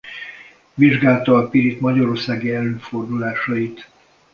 Vizsgálta a pirit magyarországi előfordulásait.